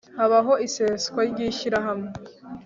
HABAHO ISESWA RY ISHYIRAHAMWE